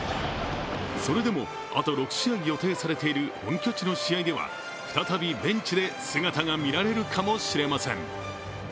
それでも、あと６試合予定されている本拠地の試合では再びベンチで姿が見られるかもしれません。